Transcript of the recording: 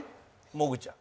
もぐちゃん。